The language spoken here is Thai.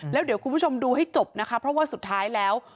แล้วเดี๋ยวคุณผู้ชมดูให้จบนะคะเพราะว่าสุดท้ายแล้ว